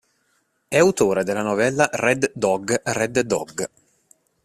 È autore della novella Red dog, red dog.